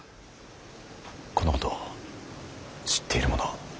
このこと知っている者は。